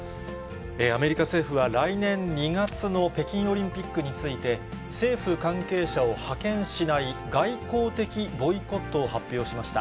アメリカ政府は、来年２月の北京オリンピックについて、政府関係者を派遣しない外交的ボイコットを発表しました。